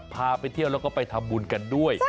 พาไปเที่ยวแล้วก็ไปทำบุญกันด้วย